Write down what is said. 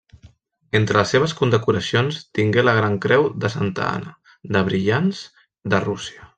Entre les seves condecoracions tingué la gran creu de Santa Anna, de brillants, de Rússia.